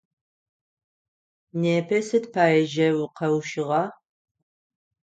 Непэ сыд пае жьэу укъэущыгъа?